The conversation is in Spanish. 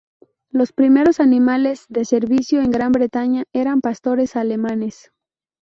Los primeros animales de servicio en Gran Bretaña eran pastores alemanes.